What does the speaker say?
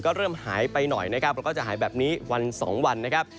ก็เริ่มหายไปหน่อยนะครับแล้วก็จะหายแบบนี้วันสองวันนะครับ